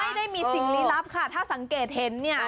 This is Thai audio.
ไม่ได้มีสิ่งลี้ลับค่ะถ้าสังเกตเห็นเนี่ย